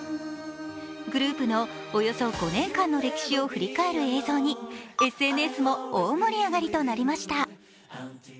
グループのおよそ５年間の歴史を振り返る映像にＳＮＳも大盛り上がりとなりました。